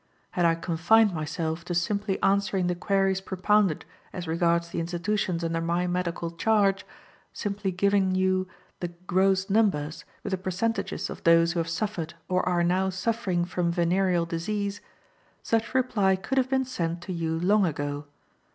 "Had I confined myself to simply answering the queries propounded as regards the institutions under my medical charge, simply given you the gross numbers, with the percentages of those who have suffered or are now suffering from venereal disease, such reply could have been sent to you long ago.